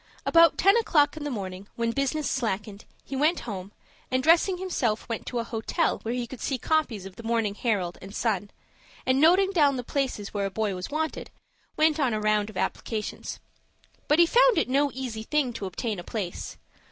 About ten o'clock in the morning, when business slackened, he went home, and dressing himself went to a hotel where he could see copies of the "Morning Herald" and "Sun," and, noting down the places where a boy was wanted, went on a round of applications. But he found it no easy thing to obtain a place.